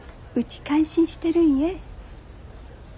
うち感心してるんえ。